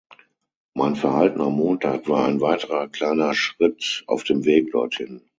Mein Verhalten am Montag war ein weiterer kleiner Schritt auf dem Weg dorthin.